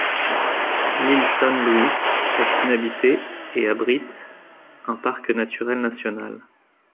L'île San Luis est inhabitée et abrite un parc naturel national.